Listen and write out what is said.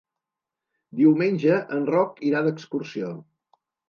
Diumenge en Roc irà d'excursió.